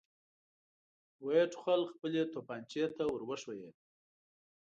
ويې ټوخل، خپلې توپانچې ته ور وښويېد.